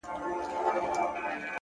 صبر د اوږدو سفرونو قوت دی،